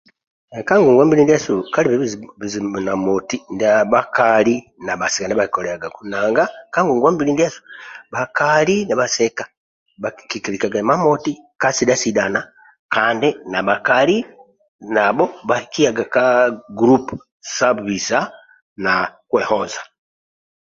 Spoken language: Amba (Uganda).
Ka ngongwa mbili ndiasu kalibe bizibu na moti ndia bhakali na bhasika ndia bhakikoliliagaku nanga bhakali na bhasika kikilikaga imamoti ka sidha sidhana kandi na bhakali nabho bhakiyaga ka gulupu sa bisa na kwehoza